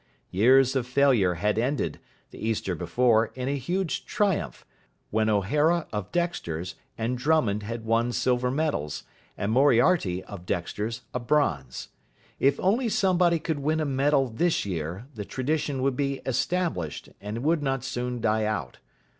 Years of failure had ended, the Easter before, in a huge triumph, when O'Hara, of Dexter's and Drummond had won silver medals, and Moriarty, of Dexter's, a bronze. If only somebody could win a medal this year, the tradition would be established, and would not soon die out.